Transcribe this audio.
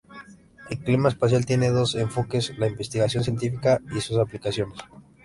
El Clima Espacial tiene dos enfoques: la investigación científica y sus aplicaciones.